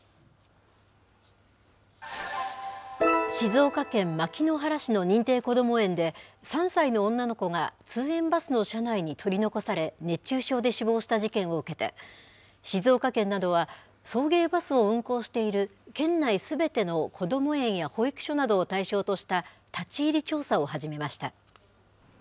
静岡県牧之原市の認定こども園で、３歳の女の子が通園バスの車内に取り残され、熱中症で死亡した事件を受けて、静岡県などは、送迎バスを運行している県内すべてのこども園や保育所などを対象とした、立ち入り調査を始めました。